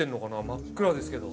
真っ暗ですけど。